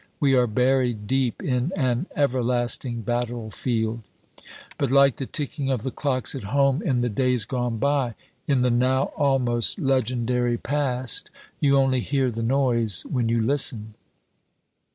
We are buried deep in an everlasting battlefield; but like the ticking of the clocks at home in the days gone by in the now almost legendary Past you only hear the noise when you listen.